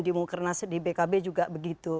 di bkb juga begitu